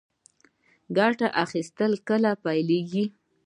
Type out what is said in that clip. ګټه اخیستنه کله پیلیږي؟